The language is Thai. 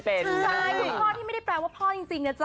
พ่อที่ไม่ได้แปลว่าพ่อจริงนะจ๊ะ